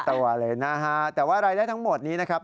ตัวเลยนะฮะแต่ว่ารายได้ทั้งหมดนี้นะครับ